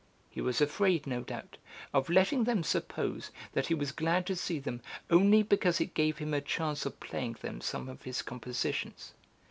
He was afraid, no doubt, of letting them suppose that he was glad to see them only because it gave him a chance of playing them some of his compositions.